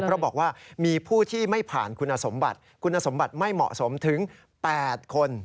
เพราะบอกว่ามีผู้ที่ไม่ผ่านคุณสมบัติคุณสมบัติไม่เหมาะสมถึง๘คน